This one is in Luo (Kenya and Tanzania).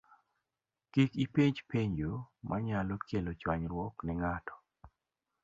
Kik ipenj penjo manyalo kelo chwanyruok ne ng'ato